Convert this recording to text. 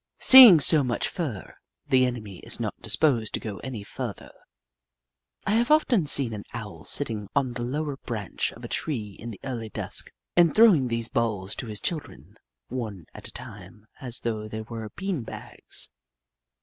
Seeing so much fur, the enemy is not disposed to go any further. I have often seen an Owl sitting on the lower branch of a tree in the early dusk, and throwing these balls to his children, one at a time, as though they were bean bags.